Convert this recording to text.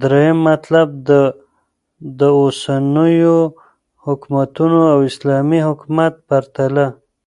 دريم مطلب - داوسنيو حكومتونو او اسلامې حكومت پرتله